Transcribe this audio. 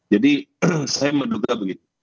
jadi saya menduga begitu